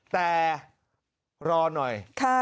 แต่รอหน่อย